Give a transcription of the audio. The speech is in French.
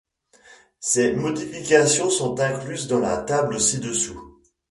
Ces modifications sont incluses dans la table ci-dessous.